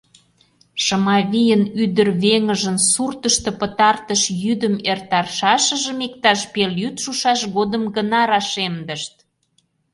Шымавийын ӱдыр-веҥыжын суртышто пытартыш йӱдым эртарышашыжым иктаж пелйӱд шушаш годым гына рашемдышт.